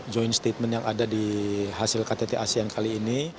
joint statement yang ada di hasil ktt asean kali ini